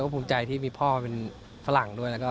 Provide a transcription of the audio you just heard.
ก็ภูมิใจที่มีพ่อเป็นฝรั่งด้วย